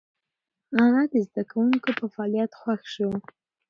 هغه د زده کوونکو په فعاليت خوښ شو.